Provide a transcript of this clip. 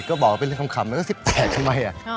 ก็บอกว่าเป็นเรื่องคำแล้วซิบแตกทำไมอะ